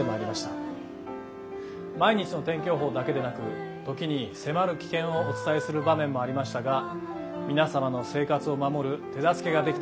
毎日の天気予報だけでなく時に迫る危険をお伝えする場面もありましたが皆様の生活を守る手助けができていたら幸いです。